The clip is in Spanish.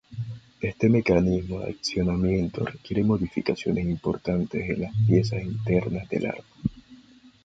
Este mecanismo de accionamiento requiere modificaciones importantes en las piezas internas del arma.